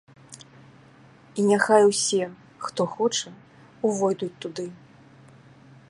І няхай усе, хто хоча, увойдуць туды.